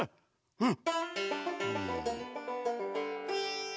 うん。